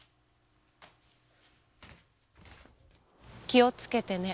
気をつけてね。